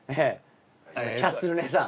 キャッスル姉さん。